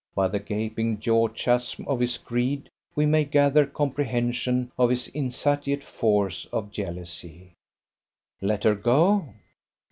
By the gaping jaw chasm of his greed we may gather comprehension of his insatiate force of jealousy. Let her go?